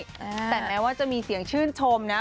แต่แม้ว่าจะมีเสียงชื่นชมนะ